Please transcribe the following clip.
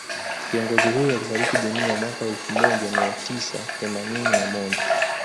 Kiongozi huyo alifariki dunia mwaka elfu moja mia tisa themanini na moja